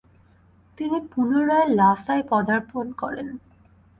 তিনি পুনরায় লাসায় পদার্পণ করেন।